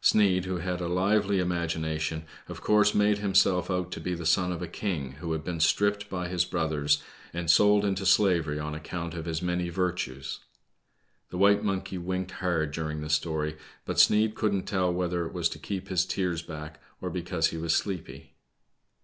Sneid, who had a lively imagination, of course made himself out to be the son of a king who had been stripped by his brothers and sold into BLACK SNEID. 113 slavery on account ol his many virtues. The white monkey winked hard during the story, but Sneid couldn't tell whether it was to keep his tears back, or because he was sleepy.